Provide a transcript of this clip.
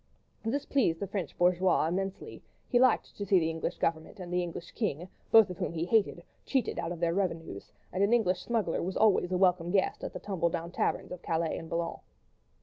This pleased the French bourgeois immensely; he liked to see the English Government and the English king, both of whom he hated, cheated out of their revenues; and an English smuggler was always a welcome guest at the tumble down taverns of Calais and Boulogne.